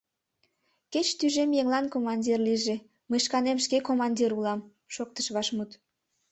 — Кеч тӱжем еҥлан командир лийже, мый шканем шке командир улам! — шоктыш вашмут.